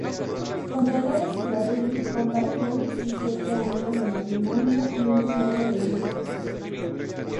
Con Dolores Ibárruri compartió diecisiete años de matrimonio y un puñado de hijos.